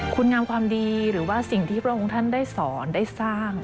คุณงามความดีหรือว่าสิ่งที่พระองค์ท่านได้สอนได้สร้าง